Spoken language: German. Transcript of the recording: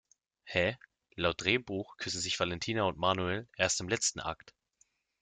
He, laut Drehbuch küssen sich Valentina und Manuel erst im letzten Akt!